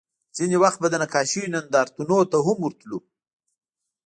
ځینې وخت به د نقاشیو نندارتونونو ته هم ورتلو